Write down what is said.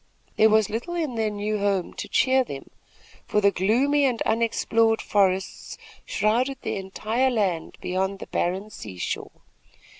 There was little in their new home to cheer them; for the gloomy and unexplored forests shrouded the entire land beyond the barren seashore.